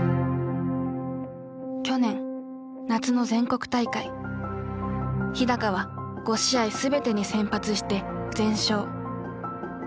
去年夏の全国大会日は５試合全てに先発して全勝。